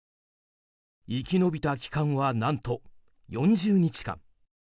生き延びた期間は何と、４０日間。